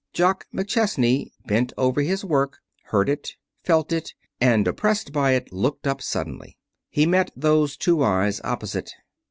Jock McChesney, bent over his work, heard it, felt it, and, oppressed by it, looked up suddenly. He met those two eyes opposite.